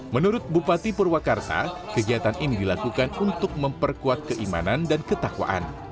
menurut bupati purwakarta kegiatan ini dilakukan untuk memperkuat keimanan dan ketakwaan